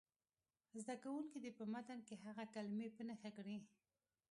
زده کوونکي دې په متن کې هغه کلمې په نښه کړي.